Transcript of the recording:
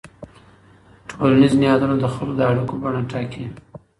ټولنیز نهادونه د خلکو د اړیکو بڼه ټاکي.